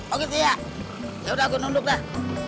oh gitu ya yaudah gue nunduk dah